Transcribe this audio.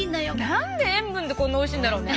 何で塩分ってこんなおいしいんだろうね。